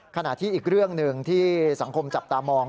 ขณะที่อีกเรื่องหนึ่งที่สังคมจับตามอง